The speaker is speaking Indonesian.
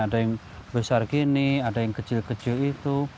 ada yang besar gini ada yang kecil kecil itu